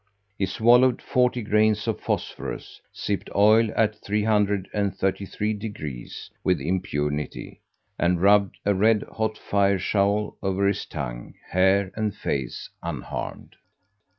He swallowed forty grains of phosphorus, sipped oil at 333 degrees with impunity, and rubbed a red hot fire shovel over his tongue, hair, and face, unharmed.